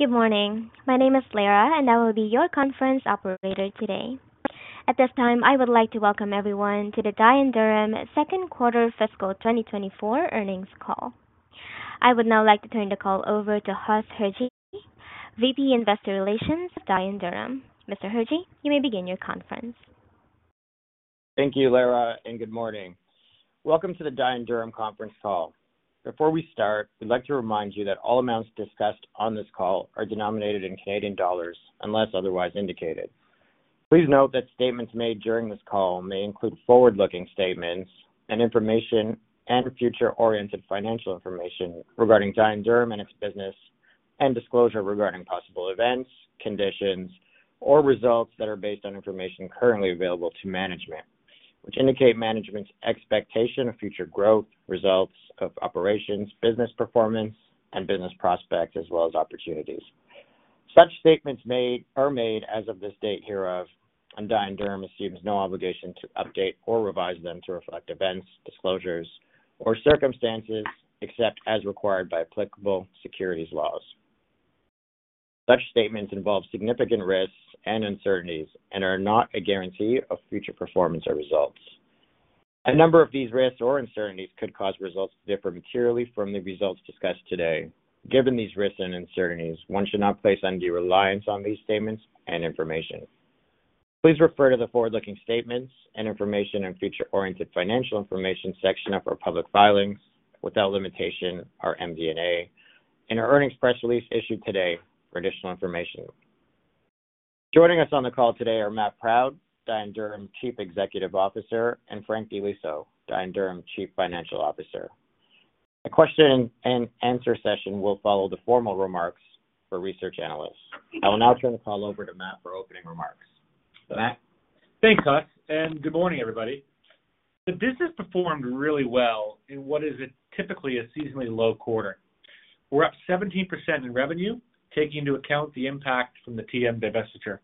Good morning. My name is Lara, and I will be your conference operator today. At this time, I would like to welcome everyone to the Dye & Durham second quarter fiscal 2024 earnings call. I would now like to turn the call over to Huss Hirji, VP Investor Relations of Dye & Durham. Mr. Hirji, you may begin your conference. Thank you, Lara, and good morning. Welcome to the Dye & Durham conference call. Before we start, we'd like to remind you that all amounts discussed on this call are denominated in Canadian dollars unless otherwise indicated. Please note that statements made during this call may include forward-looking statements and information and future-oriented financial information regarding Dye & Durham and its business, and disclosure regarding possible events, conditions, or results that are based on information currently available to management, which indicate management's expectation of future growth, results of operations, business performance, and business prospects as well as opportunities. Such statements are made as of this date hereof, and Dye & Durham assumes no obligation to update or revise them to reflect events, disclosures, or circumstances except as required by applicable securities laws. Such statements involve significant risks and uncertainties and are not a guarantee of future performance or results. A number of these risks or uncertainties could cause results to differ materially from the results discussed today. Given these risks and uncertainties, one should not place undue reliance on these statements and information. Please refer to the forward-looking statements and information and future-oriented financial information section of our public filings, without limitation, our MD&A, and our earnings press release issued today for additional information. Joining us on the call today are Matt Proud, Dye & Durham Chief Executive Officer, and Frank Di Liso, Dye & Durham Chief Financial Officer. A question-and-answer session will follow the formal remarks for research analysts. I will now turn the call over to Matt for opening remarks. Matt? Thanks, Huss, and good morning, everybody. The business performed really well in what is typically a seasonally low quarter. We're up 17% in revenue, taking into account the impact from the TM divestiture.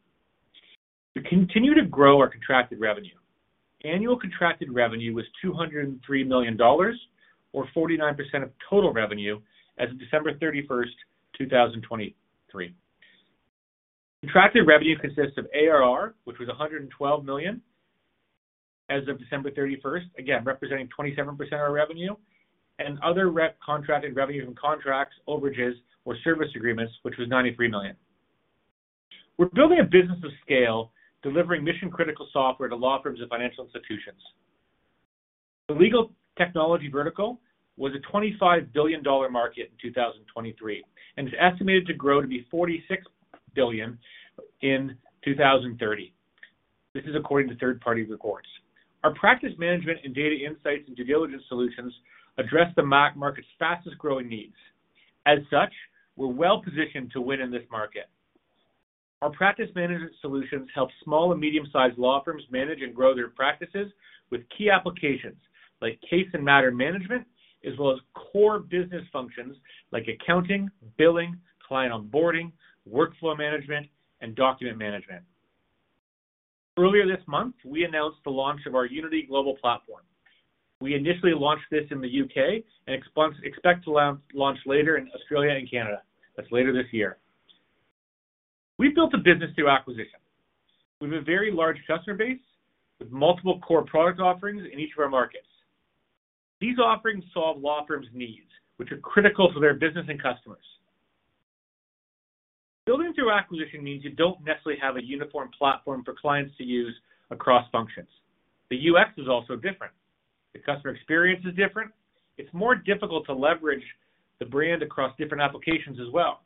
We continue to grow our contracted revenue. Annual contracted revenue was 203 million dollars, or 49% of total revenue as of December 31st, 2023. Contracted revenue consists of ARR, which was 112 million as of December 31st, again representing 27% of our revenue, and other contracted revenue from contracts, overages, or service agreements, which was 93 million. We're building a business of scale delivering mission-critical software to law firms and financial institutions. The legal technology vertical was a $25 billion market in 2023 and is estimated to grow to be $46 billion in 2030. This is according to third-party reports. Our practice management and data insights and due diligence solutions address the market's fastest-growing needs. As such, we're well-positioned to win in this market. Our practice management solutions help small and medium-sized law firms manage and grow their practices with key applications like case and matter management as well as core business functions like accounting, billing, client onboarding, workflow management, and document management. Earlier this month, we announced the launch of our Unity Global Platform. We initially launched this in the UK and expect to launch later in Australia and Canada. That's later this year. We've built a business through acquisition. We have a very large customer base with multiple core product offerings in each of our markets. These offerings solve law firms' needs, which are critical for their business and customers. Building through acquisition means you don't necessarily have a uniform platform for clients to use across functions. The UX is also different. The customer experience is different. It's more difficult to leverage the brand across different applications as well.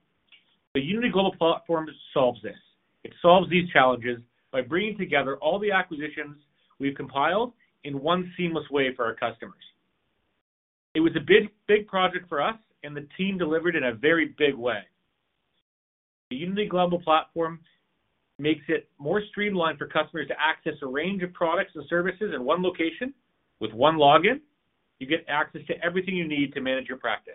The Unity Global Platform solves this. It solves these challenges by bringing together all the acquisitions we've compiled in one seamless way for our customers. It was a big, big project for us, and the team delivered in a very big way. The Unity Global Platform makes it more streamlined for customers to access a range of products and services in one location with one login. You get access to everything you need to manage your practice.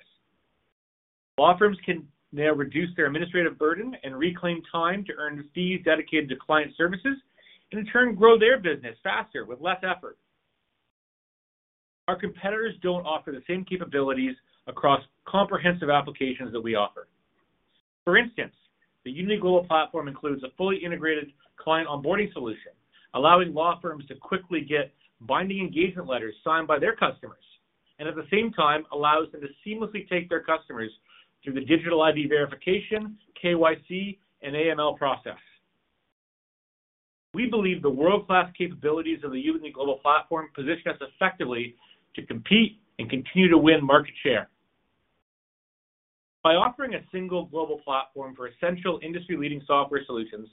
Law firms can now reduce their administrative burden and reclaim time to earn fees dedicated to client services and, in turn, grow their business faster with less effort. Our competitors don't offer the same capabilities across comprehensive applications that we offer. For instance, the Unity Global Platform includes a fully integrated client onboarding solution, allowing law firms to quickly get binding engagement letters signed by their customers, and at the same time allows them to seamlessly take their customers through the digital ID verification, KYC, and AML process. We believe the world-class capabilities of the Unity Global Platform position us effectively to compete and continue to win market share. By offering a single global platform for essential industry-leading software solutions,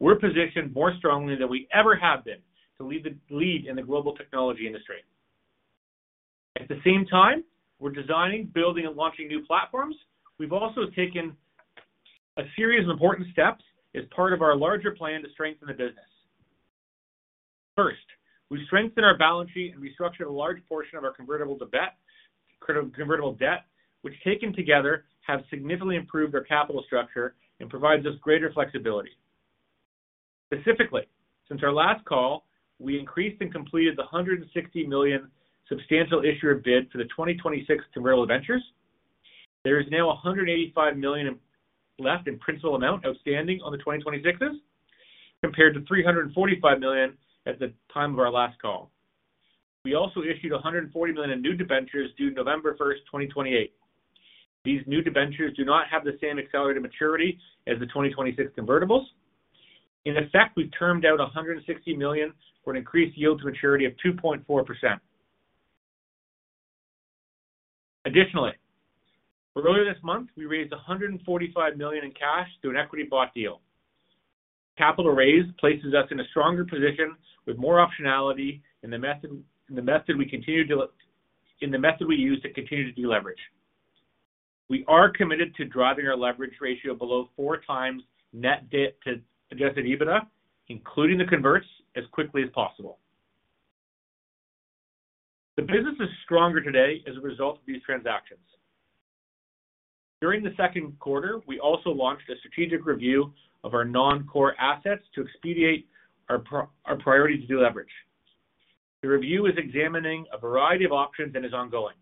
we're positioned more strongly than we ever have been to lead in the global technology industry. At the same time, we're designing, building, and launching new platforms. We've also taken a series of important steps as part of our larger plan to strengthen the business. First, we strengthen our balance sheet and restructure a large portion of our convertible debt, which taken together have significantly improved our capital structure and provides us greater flexibility. Specifically, since our last call, we increased and completed the 160 million substantial issuer bid for the 2026 convertible debentures. There is now 185 million left in principal amount outstanding on the 2026 compared to 345 million at the time of our last call. We also issued 140 million in new debentures due November 1st, 2028. These new debentures do not have the same accelerated maturity as the 2026 convertibles. In effect, we've termed out 160 million for an increased yield to maturity of 2.4%. Additionally, earlier this month, we raised 145 million in cash through an equity bought deal. Capital raise places us in a stronger position with more optionality in the method we use to continue to deleverage. We are committed to driving our leverage ratio below four times net debt to adjusted EBITDA, including the converts, as quickly as possible. The business is stronger today as a result of these transactions. During the second quarter, we also launched a strategic review of our non-core assets to expedite our priority to deleverage. The review is examining a variety of options and is ongoing.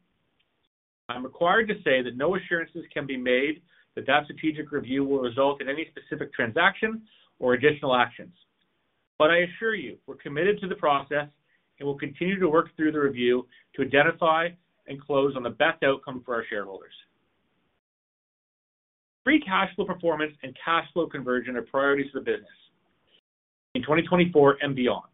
I'm required to say that no assurances can be made that the strategic review will result in any specific transaction or additional actions. But I assure you, we're committed to the process and will continue to work through the review to identify and close on the best outcome for our shareholders. Free cash flow performance and cash flow conversion are priorities of the business in 2024 and beyond.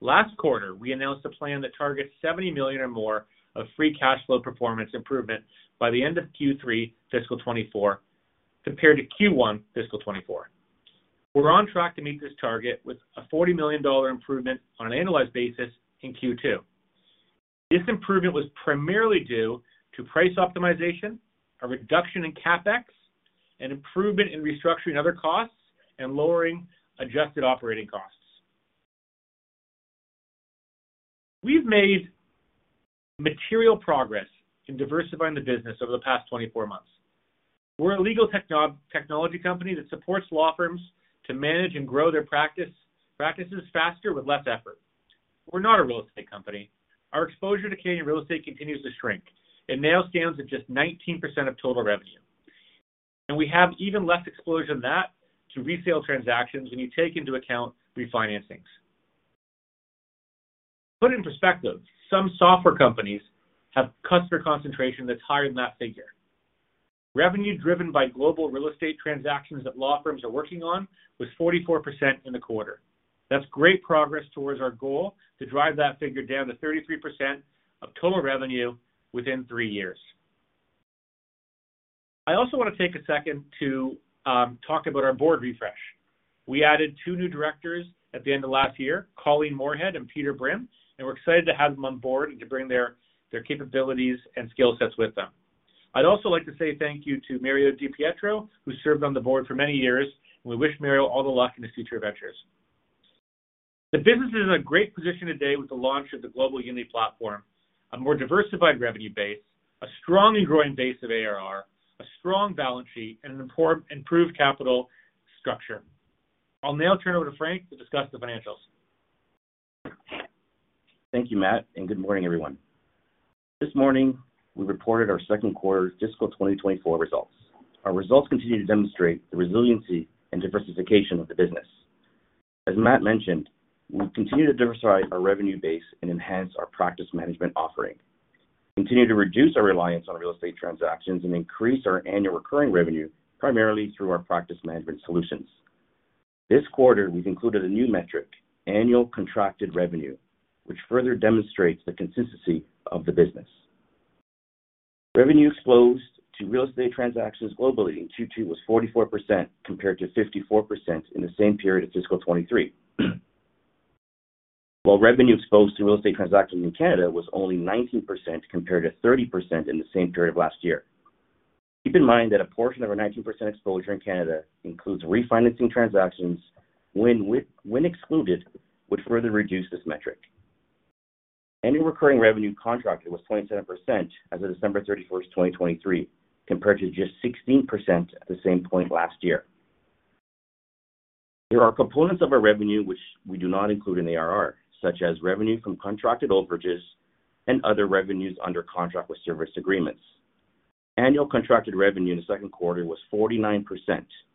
Last quarter, we announced a plan that targets 70 million or more of free cash flow performance improvement by the end of Q3 fiscal 2024 compared to Q1 fiscal 2024. We're on track to meet this target with a 40 million dollar improvement on an annualized basis in Q2. This improvement was primarily due to price optimization, a reduction in CapEx, an improvement in restructuring other costs, and lowering adjusted operating costs. We've made material progress in diversifying the business over the past 24 months. We're a legal technology company that supports law firms to manage and grow their practices faster with less effort. We're not a real estate company. Our exposure to Canadian real estate continues to shrink. It now stands at just 19% of total revenue. We have even less exposure than that to resale transactions when you take into account refinancings. Put in perspective, some software companies have customer concentration that's higher than that figure. Revenue driven by global real estate transactions that law firms are working on was 44% in the quarter. That's great progress towards our goal to drive that figure down to 33% of total revenue within three years. I also want to take a second to talk about our board refresh. We added two new directors at the end of last year, Colleen Moorehead and Peter Brimm, and we're excited to have them on board and to bring their capabilities and skill sets with them. I'd also like to say thank you to Mario Di Pietro, who served on the board for many years, and we wish Mario all the luck in his future ventures. The business is in a great position today with the launch of the Unity Global Platform, a more diversified revenue base, a strongly growing base of ARR, a strong balance sheet, and an improved capital structure. I'll now turn over to Frank to discuss the financials. Thank you, Matt, and good morning, everyone. This morning, we reported our second quarter fiscal 2024 results. Our results continue to demonstrate the resiliency and diversification of the business. As Matt mentioned, we continue to diversify our revenue base and enhance our practice management offering, continue to reduce our reliance on real estate transactions, and increase our annual recurring revenue primarily through our practice management solutions. This quarter, we've included a new metric, annual contracted revenue, which further demonstrates the consistency of the business. Revenue exposed to real estate transactions globally in Q2 was 44% compared to 54% in the same period of fiscal 2023, while revenue exposed to real estate transactions in Canada was only 19% compared to 30% in the same period of last year. Keep in mind that a portion of our 19% exposure in Canada includes refinancing transactions. When excluded, would further reduce this metric. Annual recurring revenue contracted was 27% as of December 31st, 2023, compared to just 16% at the same point last year. There are components of our revenue which we do not include in ARR, such as revenue from contracted overages and other revenues under contract with service agreements. Annual contracted revenue in the second quarter was 49%,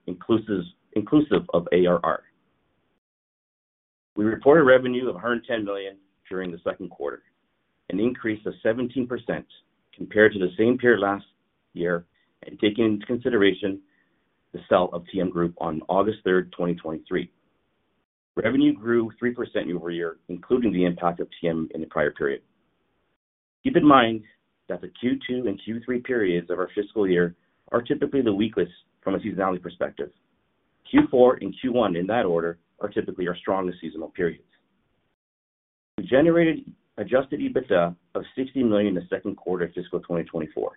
inclusive of ARR. We reported revenue of 110 million during the second quarter, an increase of 17% compared to the same period last year and taking into consideration the sale of TM Group on August 3rd, 2023. Revenue grew 3% year-over-year, including the impact of TM in the prior period. Keep in mind that the Q2 and Q3 periods of our fiscal year are typically the weakest from a seasonality perspective. Q4 and Q1, in that order, are typically our strongest seasonal periods. We generated adjusted EBITDA of 60 million in the second quarter of fiscal 2024,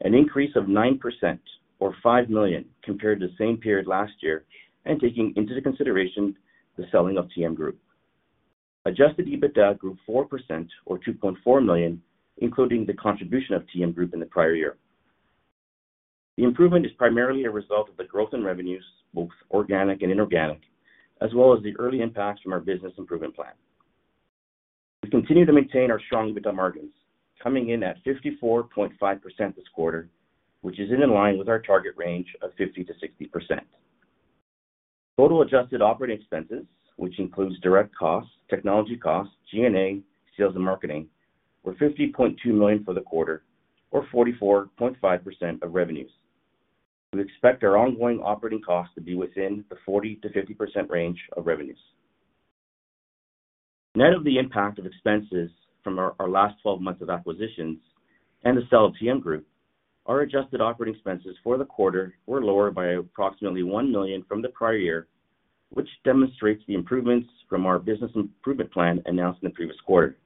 an increase of 9% or 5 million compared to the same period last year and taking into consideration the selling of TM Group. Adjusted EBITDA grew 4% or 2.4 million, including the contribution of TM Group in the prior year. The improvement is primarily a result of the growth in revenues, both organic and inorganic, as well as the early impacts from our business improvement plan. We continue to maintain our strong EBITDA margins, coming in at 54.5% this quarter, which is in line with our target range of 50%-60%. Total adjusted operating expenses, which includes direct costs, technology costs, G&A, sales, and marketing, were 50.2 million for the quarter, or 44.5% of revenues. We expect our ongoing operating costs to be within the 40%-50% range of revenues. Net of the impact of expenses from our last 12 months of acquisitions and the sale of TM Group, our adjusted operating expenses for the quarter were lower by approximately 1 million from the prior year, which demonstrates the improvements from our business improvement plan announced in the previous quarter.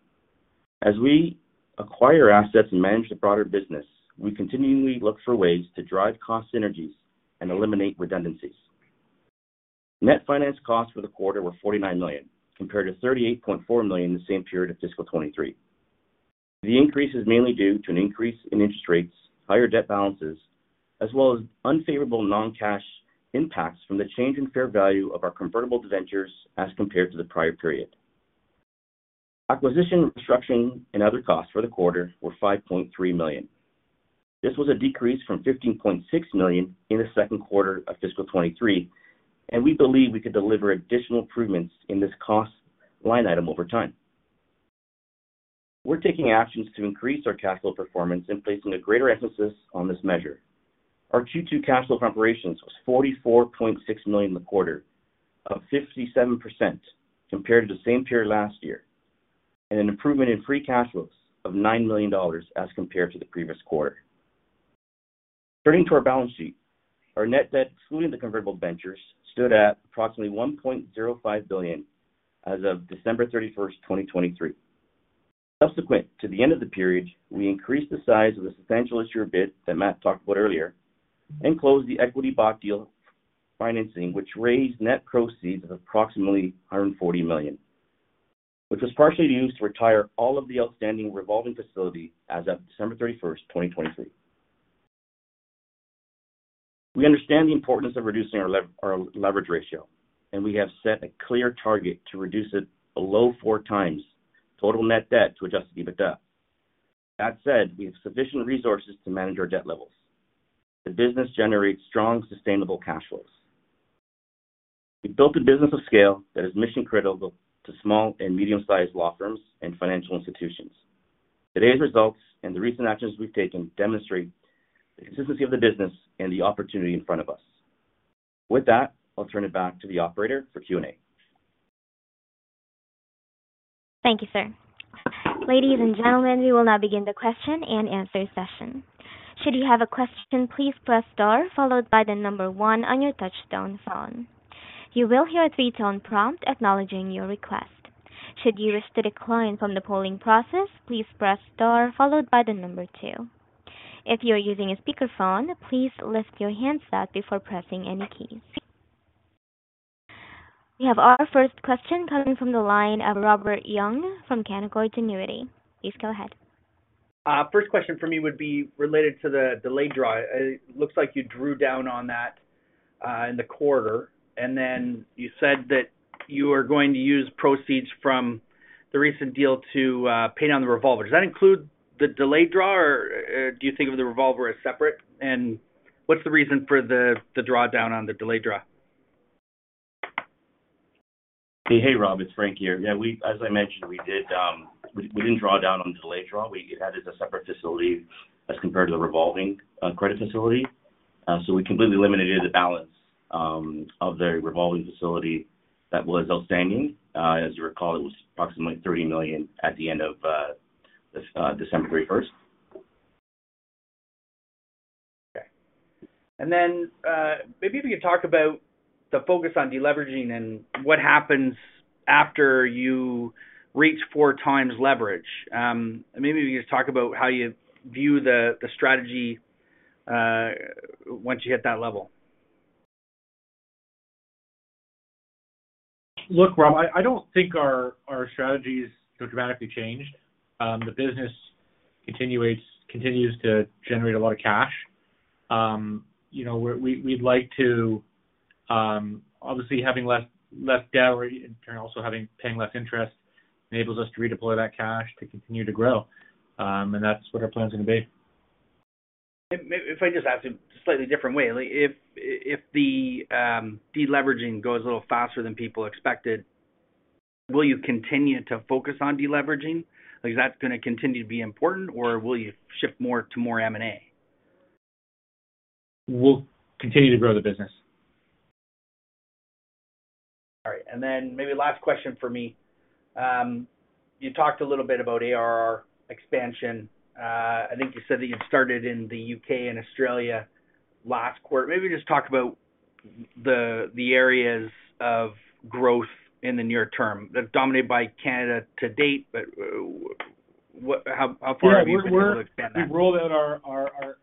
As we acquire assets and manage the broader business, we continually look for ways to drive cost synergies and eliminate redundancies. Net finance costs for the quarter were 49 million compared to 38.4 million in the same period of fiscal 2023. The increase is mainly due to an increase in interest rates, higher debt balances, as well as unfavorable non-cash impacts from the change in fair value of our convertible debentures as compared to the prior period. Acquisition, restructuring, and other costs for the quarter were 5.3 million. This was a decrease from 15.6 million in the second quarter of fiscal 2023, and we believe we could deliver additional improvements in this cost line item over time. We're taking actions to increase our cash flow performance and placing a greater emphasis on this measure. Our Q2 cash flow from operations was 44.6 million in the quarter, up 57% compared to the same period last year, and an improvement in free cash flows of 9 million dollars as compared to the previous quarter. Turning to our balance sheet, our net debt, excluding the convertible debentures, stood at approximately 1.05 billion as of December 31st, 2023. Subsequent to the end of the period, we increased the size of the Substantial Issuer Bid that Matt talked about earlier and closed the equity Bought Deal financing, which raised net proceeds of approximately 140 million, which was partially used to retire all of the outstanding revolving facility as of December 31st, 2023. We understand the importance of reducing our leverage ratio, and we have set a clear target to reduce it below four times total net debt to adjusted EBITDA. That said, we have sufficient resources to manage our debt levels. The business generates strong, sustainable cash flows. We built a business of scale that is mission-critical to small and medium-sized law firms and financial institutions. Today's results and the recent actions we've taken demonstrate the consistency of the business and the opportunity in front of us. With that, I'll turn it back to the operator for Q&A. Thank you, sir. Ladies and gentlemen, we will now begin the question and answer session. Should you have a question, please press star followed by the number one on your touch-tone phone. You will hear a three-tone prompt acknowledging your request. Should you wish to decline from the polling process, please press star followed by the number two. If you're using a speakerphone, please lift your handset before pressing any keys. We have our first question coming from the line of Robert Young from Canaccord Genuity. Please go ahead. First question for me would be related to the delayed draw. It looks like you drew down on that in the quarter, and then you said that you were going to use proceeds from the recent deal to pay down on the revolver. Does that include the delayed draw, or do you think of the revolver as separate? What's the reason for the drawdown on the delayed draw? Hey, Rob. It's Frank here. Yeah, as I mentioned, we didn't draw down on the delayed draw. It had as a separate facility as compared to the revolving credit facility. So we completely eliminated the balance of the revolving facility that was outstanding. As you recall, it was approximately 30 million at the end of December 31st. Okay. And then maybe if you could talk about the focus on deleveraging and what happens after you reach four times leverage. Maybe if you could just talk about how you view the strategy once you hit that level. Look, Rob, I don't think our strategies so dramatically changed. The business continues to generate a lot of cash. We'd like to, obviously, having less debt and also paying less interest enables us to redeploy that cash to continue to grow. That's what our plan is going to be. If I just asked it a slightly different way, if the deleveraging goes a little faster than people expected, will you continue to focus on deleveraging? Is that going to continue to be important, or will you shift more to more M&A? We'll continue to grow the business. All right. Then maybe last question for me. You talked a little bit about ARR expansion. I think you said that you'd started in the UK and Australia last quarter. Maybe just talk about the areas of growth in the near term. They're dominated by Canada to date, but how far have you seen people expand that? Yeah, we've rolled out our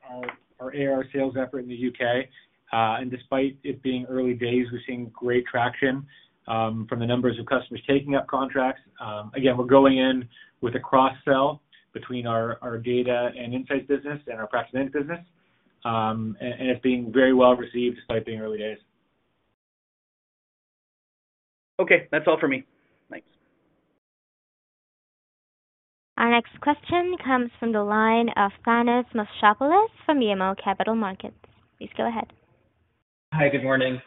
ARR sales effort in the UK. Despite it being early days, we're seeing great traction from the numbers of customers taking up contracts. Again, we're going in with a cross-sell between our data and insights business and our practice management business. It's being very well received despite being early days. Okay. That's all for me. Thanks. Our next question comes from the line of Thanos Moschopoulos from BMO Capital Markets. Please go ahead. Hi, good morning.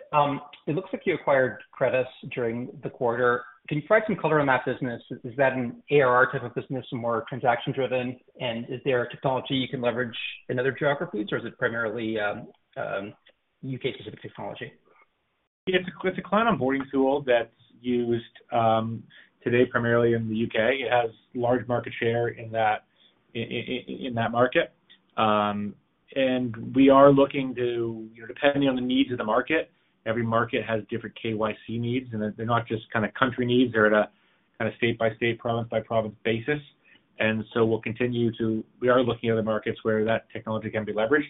It looks like you acquired Credas during the quarter. Can you provide some color on that business? Is that an ARR type of business, more transaction-driven, and is there a technology you can leverage in other geographies, or is it primarily UK-specific technology? It's a cloud onboarding tool that's used today primarily in the UK. It has large market share in that market. We are looking to depending on the needs of the market, every market has different KYC needs, and they're not just kind of country needs. They're at a kind of state-by-state, province-by-province basis. And so we'll continue to we are looking at other markets where that technology can be leveraged.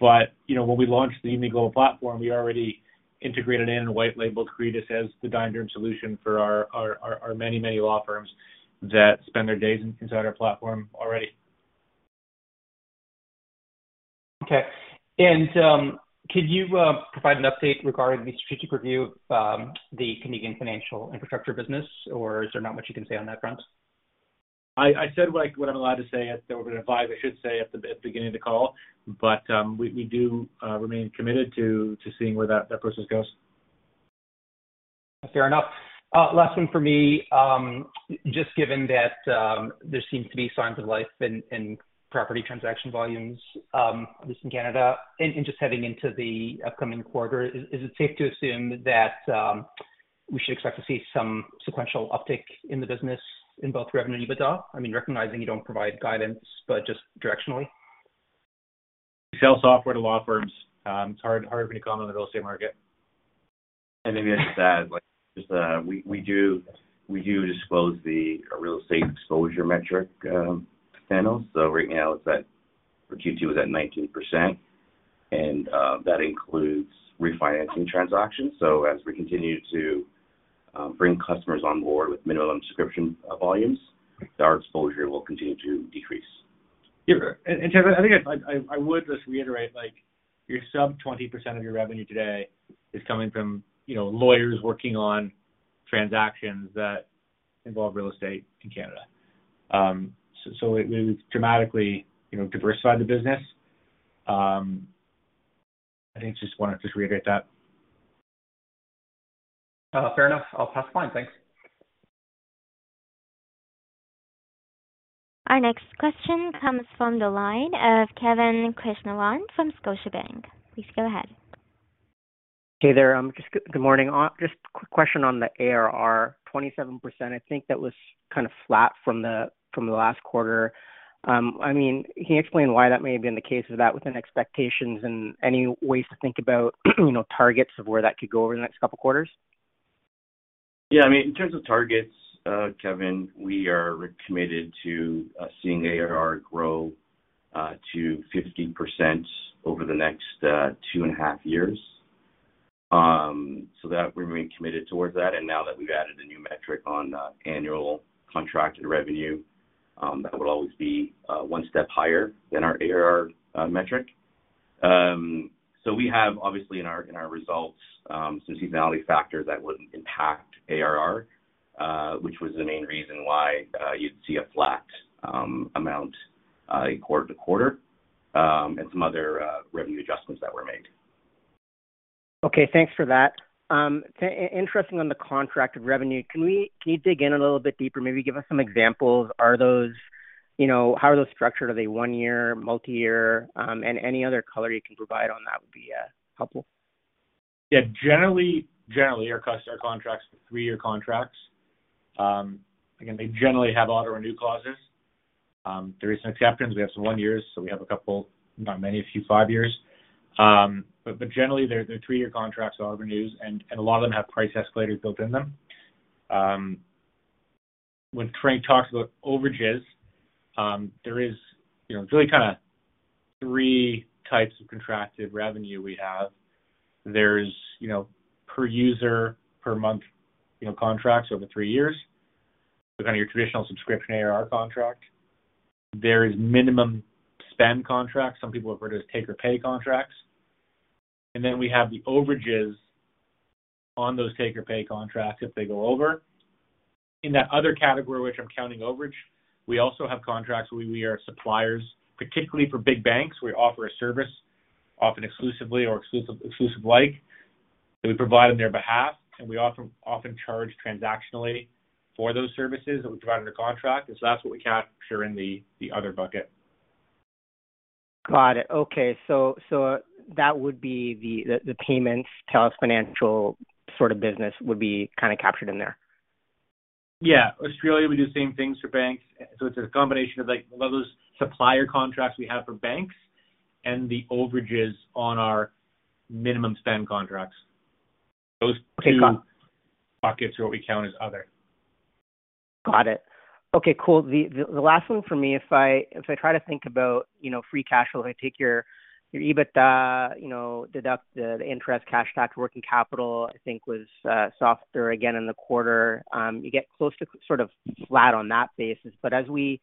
But when we launched the Unity Global Platform, we already integrated in and white-labeled Credas as the Dye & Durham solution for our many, many law firms that spend their days inside our platform already. Okay. Could you provide an update regarding the strategic review of the Canadian financial infrastructure business, or is there not much you can say on that front? I said what I'm allowed to say that we're going to advise, I should say, at the beginning of the call. But we do remain committed to seeing where that process goes. Fair enough. Last one for me, just given that there seem to be signs of life in property transaction volumes, at least in Canada, and just heading into the upcoming quarter, is it safe to assume that we should expect to see some sequential uptick in the business in both revenue and EBITDA? I mean, recognizing you don't provide guidance, but just directionally. We sell software to law firms. It's harder for me to comment on the real estate market. Maybe I should just add, we do disclose the real estate exposure metric panel. Right now, for Q2, it was at 19%. That includes refinancing transactions. As we continue to bring customers on board with minimum subscription volumes, our exposure will continue to decrease. Yeah. And Thanos, I think I would just reiterate, your sub-20% of your revenue today is coming from lawyers working on transactions that involve real estate in Canada. So we've dramatically diversified the business. I think I just want to just reiterate that. Fair enough. I'll pass the line. Thanks. Our next question comes from the line of Kevin Krishnaratne from Scotiabank. Please go ahead. Hey there. Good morning. Just quick question on the ARR. 27%, I think that was kind of flat from the last quarter. I mean, can you explain why that may have been the case with that, within expectations and any ways to think about targets of where that could go over the next couple of quarters? Yeah. I mean, in terms of targets, Kevin, we are committed to seeing ARR grow to 50% over the next two and a half years. So we remain committed towards that. And now that we've added a new metric on annual contracted revenue, that would always be one step higher than our ARR metric. So we have, obviously, in our results, some seasonality factors that wouldn't impact ARR, which was the main reason why you'd see a flat amount quarter to quarter and some other revenue adjustments that were made. Okay. Thanks for that. Interesting on the contracted revenue. Can you dig in a little bit deeper? Maybe give us some examples. How are those structured? Are they one-year, multi-year? Any other color you can provide on that would be helpful. Yeah. Generally, our contracts are three-year contracts. Again, they generally have auto-renew clauses. There are some exceptions. We have some one-year, so we have a couple, not many, a few five-year. But generally, they're three-year contracts, auto-renews, and a lot of them have price escalators built in them. When Frank talks about overages, there is really kind of three types of contracted revenue we have. There's per-user, per-month contracts over three years, so kind of your traditional subscription ARR contract. There is minimum spend contracts. Some people have heard of take-or-pay contracts. And then we have the overages on those take-or-pay contracts if they go over. In that other category, which I'm counting overage, we also have contracts where we are suppliers, particularly for big banks, where we offer a service often exclusively or exclusive-like, that we provide on their behalf. We often charge transactionally for those services that we provide under contract. So that's what we capture in the other bucket. Got it. Okay. So that would be the payments, title, escrow financial sort of business would be kind of captured in there? Yeah. Australia, we do the same things for banks. So it's a combination of a lot of those supplier contracts we have for banks and the overages on our minimum spend contracts. Those two buckets are what we count as other. Got it. Okay. Cool. The last one for me, if I try to think about free cash flow, if I take your EBITDA, deduct the interest, cash tax working capital, I think was softer, again, in the quarter. You get close to sort of flat on that basis. But as we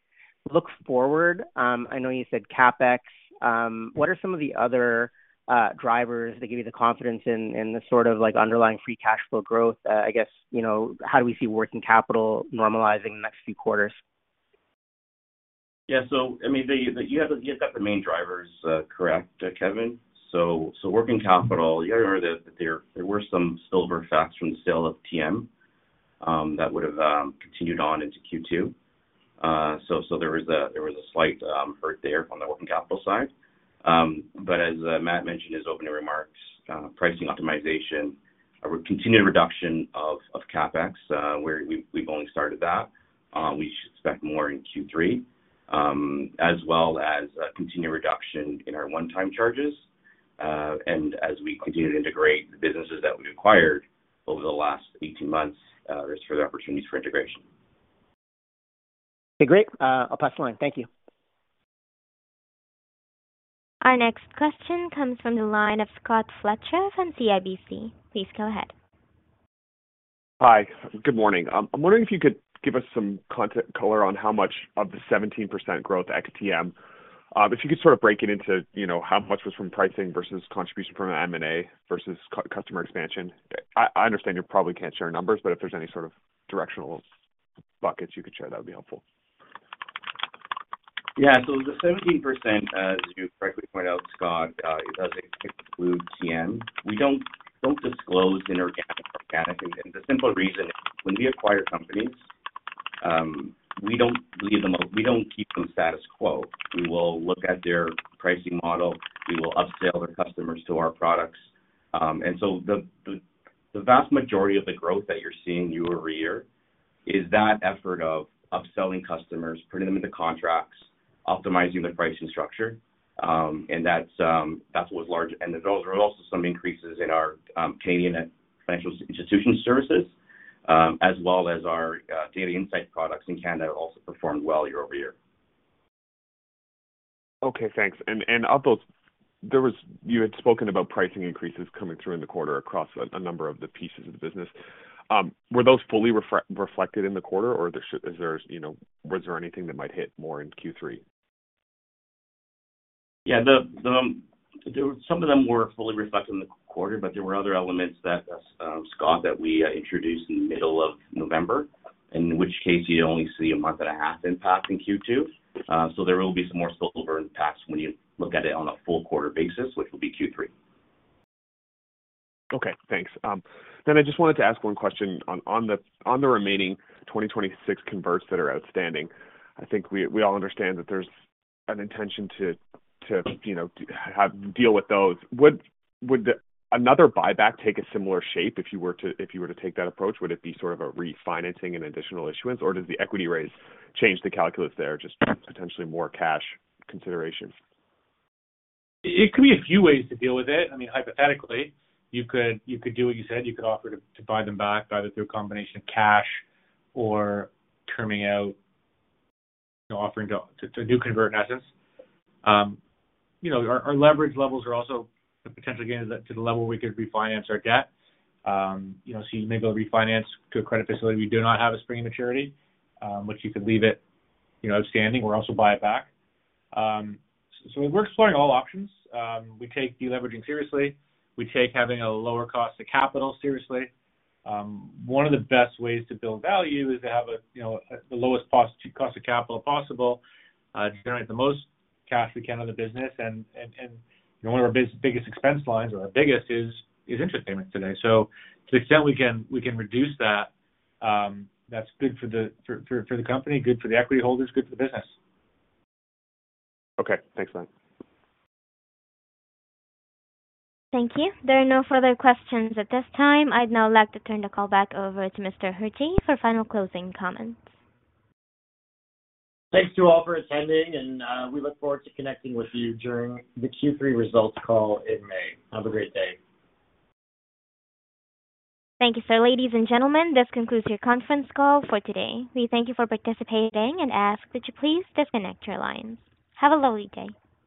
look forward, I know you said CapEx. What are some of the other drivers that give you the confidence in the sort of underlying free cash flow growth? I guess, how do we see working capital normalizing the next few quarters? Yeah. So I mean, you've got the main drivers, correct, Kevin? So working capital, yeah, there were some silver facts from the sale of TM that would have continued on into Q2. So there was a slight hurt there on the working capital side. But as Matt mentioned in his opening remarks, pricing optimization, a continued reduction of CapEx. We've only started that. We should expect more in Q3, as well as a continued reduction in our one-time charges. And as we continue to integrate the businesses that we've acquired over the last 18 months, there's further opportunities for integration. Okay. Great. I'll pass the line. Thank you. Our next question comes from the line of Scott Fletcher from CIBC. Please go ahead. Hi. Good morning. I'm wondering if you could give us some color on how much of the 17% growth XTM if you could sort of break it into how much was from pricing versus contribution from M&A versus customer expansion. I understand you probably can't share numbers, but if there's any sort of directional buckets you could share, that would be helpful. Yeah. So the 17%, as you correctly point out, Scott, it does include TM. We don't disclose inorganic or organic. And the simple reason is when we acquire companies, we don't leave them we don't keep them status quo. We will look at their pricing model. We will upsell their customers to our products. And so the vast majority of the growth that you're seeing year-over-year is that effort of upselling customers, putting them into contracts, optimizing their pricing structure. And that's what was large. And there were also some increases in our Canadian financial institution services, as well as our data insight products in Canada that also performed well year-over-year. Okay. Thanks. You had spoken about pricing increases coming through in the quarter across a number of the pieces of the business. Were those fully reflected in the quarter, or was there anything that might hit more in Q3? Yeah. Some of them were fully reflected in the quarter, but there were other elements that, Scott, that we introduced in the middle of November, in which case you'd only see a month and a half impact in Q2. So there will be some more silver impacts when you look at it on a full quarter basis, which will be Q3. Okay. Thanks. Then I just wanted to ask one question. On the remaining 2026 converts that are outstanding, I think we all understand that there's an intention to deal with those. Would another buyback take a similar shape if you were to take that approach? Would it be sort of a refinancing and additional issuance, or does the equity raise change the calculus there, just potentially more cash consideration? It could be a few ways to deal with it. I mean, hypothetically, you could do what you said. You could offer to buy them back either through a combination of cash or terming out, offering a new convert, in essence. Our leverage levels are also a potential gain to the level where we could refinance our debt. So you may be able to refinance to a credit facility we do not have a spring of maturity, which you could leave it outstanding or also buy it back. So we're exploring all options. We take deleveraging seriously. We take having a lower cost of capital seriously. One of the best ways to build value is to have the lowest cost of capital possible, generate the most cash we can of the business. And one of our biggest expense lines, or our biggest, is interest payments today. To the extent we can reduce that, that's good for the company, good for the equity holders, good for the business. Okay. Thanks, Matt. Thank you. There are no further questions at this time. I'd now like to turn the call back over to Mr. Hirji for final closing comments. Thanks to all for attending, and we look forward to connecting with you during the Q3 results call in May. Have a great day. Thank you, sir. Ladies and gentlemen, this concludes your conference call for today. We thank you for participating and ask that you please disconnect your lines. Have a lovely day.